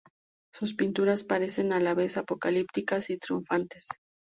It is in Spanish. Sus pinturas parecen a la vez apocalípticas y triunfantes.